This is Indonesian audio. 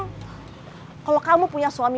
bukan tut belet ya itu otaknya tuh kurang